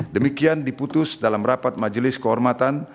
demikian diputus dalam rapat majelis kehormatan